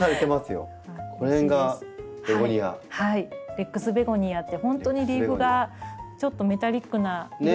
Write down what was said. レックスベゴニアって本当にリーフがちょっとメタリックな色もあれば。